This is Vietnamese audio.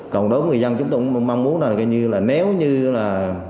còn đối với người dân chúng tôi cũng mong muốn là nếu như là